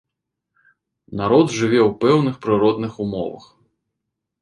Народ жыве ў пэўных прыродных умовах.